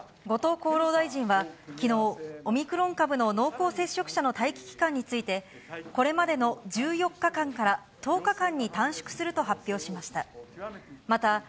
後藤厚労大臣はきのう、オミクロン株の濃厚接触者の待機期間について、これまでの１４日間から、１０日間に短縮すると発表しました。